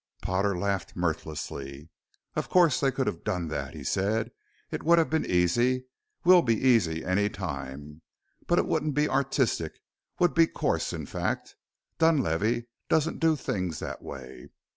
Potter laughed mirthlessly. "Of course they could have done that," he said; "it would have been easy will be easy any time. But it wouldn't be artistic, would be coarse in fact. Dunlavey doesn't do things that way.